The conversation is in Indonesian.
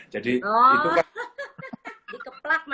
jadi itu kan